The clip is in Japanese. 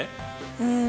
うん。